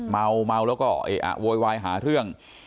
เมาแล้วก็เออะโวยวายหาเรื่อง